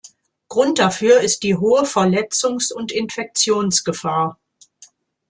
Grund dafür ist die hohe Verletzungs- und Infektionsgefahr.